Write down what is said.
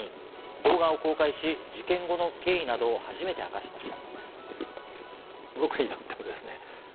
動画を公開し、事件後の経緯などを初めて明かしました。